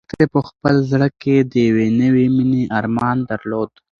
لښتې په خپل زړه کې د یوې نوې مېنې ارمان درلود.